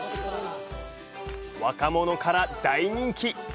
若者から大人気！